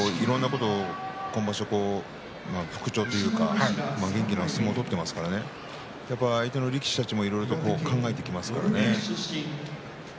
ただ、いろんなこと、今場所復調といいますか元気な相撲を取っていますから相手の力士たちもいろいろ考えてきますからね。